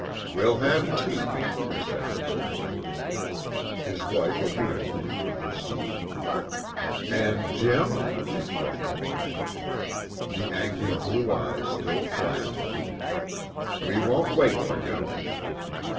"We'll have tea," he said curtly. His wife obediently took her seat. "And Jim?" she questioned. The angry blue eyes still flashed. "We won't wait for him."